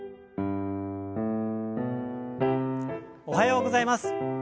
おはようございます。